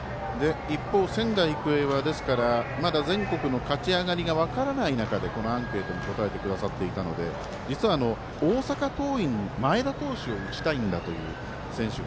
一方、仙台育英はまだ全国の勝ち上がりは分からない中でこのアンケートに答えてくださっていたので実は大阪桐蔭、前田投手を打ちたいんだという選手が